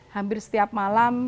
hampir setiap malam